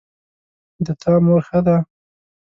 د تا مور ښه ده